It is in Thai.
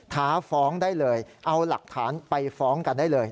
ท้าฟ้องได้เลยเอาหลักฐานไปฟ้องกันได้เลย